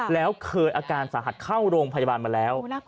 แล้วเคยอาการสาหัสเข้าโรงพยาบาลมาแล้ว